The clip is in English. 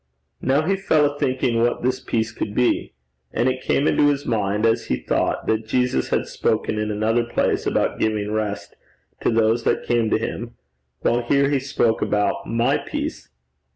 Now he fell a thinking what this peace could be. And it came into his mind as he thought, that Jesus had spoken in another place about giving rest to those that came to him, while here he spoke about 'my peace.'